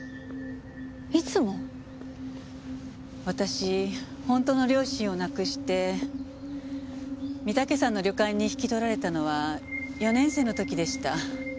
私本当の両親を亡くして御岳山の旅館に引き取られたのは４年生の時でした。